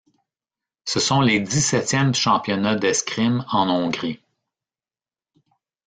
Ce sont les dix-septièmes championnats d'escrime en Hongrie.